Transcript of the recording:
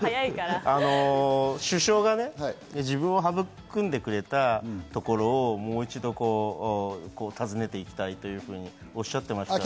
主将がね、自分を育んでくれたところをもう一度、訪ねていきたいとおっしゃっていました。